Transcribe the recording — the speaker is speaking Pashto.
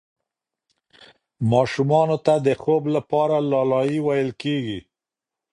ماشومانو ته د خوب لپاره لالايي ویل کېږي.